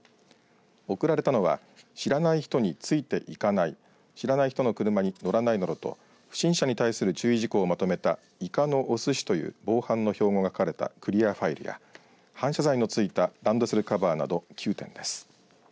贈られたのは知らない人についていかない知らない人の車にのらないなどと不審者に対する注意事項をまとめた、いかのおすしという防犯の標語が書かれたクリアファイルや反射材の付いたランドセルカバーなど９点です。